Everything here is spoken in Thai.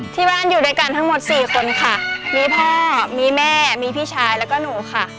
ที่บ้านอยู่ด้วยกันทั้งหมดสี่คนค่ะมีพ่อมีแม่มีพี่ชายแล้วก็หนูค่ะ